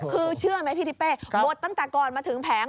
คือเชื่อไหมพี่ทิเป้บทตั้งแต่ก่อนมาถึงแผง